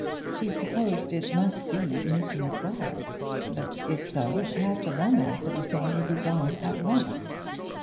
She supposed it must be Mr Maguire; but if so, half the romance of the thing would be gone at once!